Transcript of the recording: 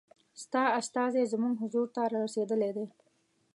ستا استازی زموږ حضور ته را رسېدلی دی.